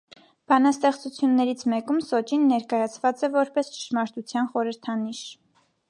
Բանաստեղծություններից մեկում սոճին ներկայացված է որպես ճշմարտության խորհրդանիշ։